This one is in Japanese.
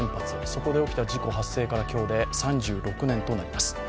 そこで起きた事故発生から今日で３６年となります。